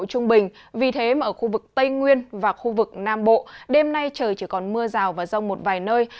trung bình vì thế mà ở khu vực tây nguyên và khu vực nam bộ đêm nay trời chỉ còn mưa rào và rông một vài nơi